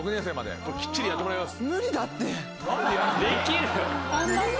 きっちりやってもらいます。